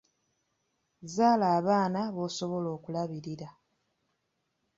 Zzaala abaana b'osobola okulabirira.